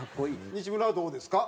西村はどうですか？